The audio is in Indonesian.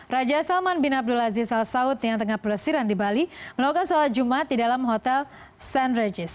raja salman bin abdulaziz al saud yang tengah pelesiran di bali melakukan sholat jumat di dalam hotel st regis